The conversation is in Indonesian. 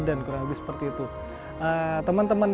dijual ke mana pak